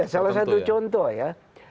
salah satu contoh ya